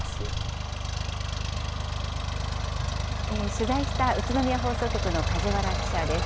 取材した宇都宮放送局の梶原記者です。